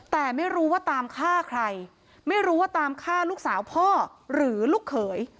แต่ไม่รู้ว่าตามฆ่าใครไม่รู้ว่าตามฆ่าลูกสาวพ่อหรือลูกเขย